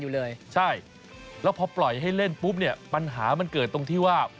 แล้วพอปล่อยให้เล่นปุ๊บเนี่ยปัญหามันเกิดตรงที่ว่า